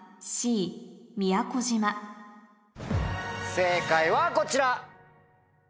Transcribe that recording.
正解はこちら！